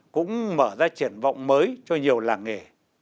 cũng mở ra triển vọng mới cho nhiều làng nghề